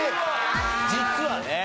実はね